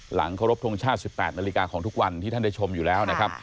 หลังเคารพทงชาติ๑๘นาฬิกาของทุกวันที่ท่านได้ชมอยู่แล้วนะครับ